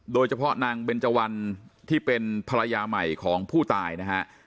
โดยเฉพาะนางเบนเจวันที่เป็นภรรยาใหม่ของผู้ตายนะฮะ